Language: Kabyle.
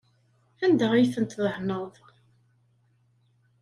Anda ay tent-tdehneḍ?